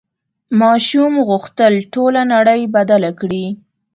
ماشوم غوښتل ټوله نړۍ بدله کړي.